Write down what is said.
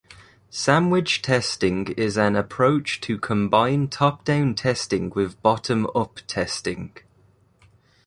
Sandwich testing is an approach to combine top down testing with bottom up testing.